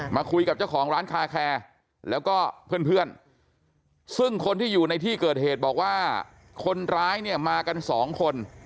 มาคุยกับเจ้าของร้านคาแคร์แล้วก็เพื่อนซึ่งคนที่อยู่ในที่เกิดเหตุบอกว่าคนร้ายเนี่ยมากันสองคน